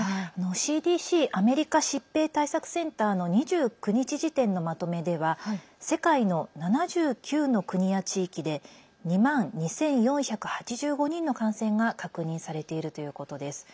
ＣＤＣ＝アメリカ疾病対策センターの２９日時点のまとめでは世界の７９の国や地域で２万２４８５人の感染が確認されているということです。